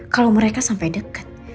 kalau mereka sampai deket